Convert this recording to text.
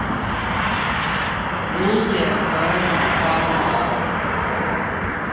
你也可以幫忙